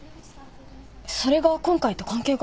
それが今回と関係が？